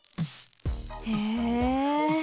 へえ。